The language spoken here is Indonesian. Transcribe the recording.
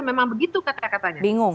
dia memang begitu katanya katanya